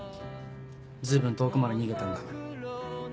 随分遠くまで逃げたんだな。